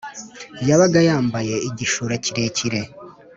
Yabaga yambaye igishura kirekire